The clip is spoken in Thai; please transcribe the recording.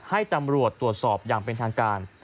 ให้ตำรวจตรวจสอบอย่างเป็นทางการ